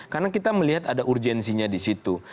karena kita melihat ada urgensinya di situ